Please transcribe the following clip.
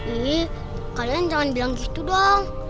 ih kalian jangan bilang gitu dong